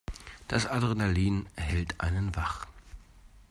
Das Adrenalin hält einen wach.